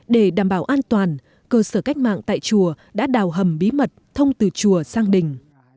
để đảm bảo an toàn cơ sở cách mạng tại chùa đã đào hầm bí mật thông từ chùa sang đình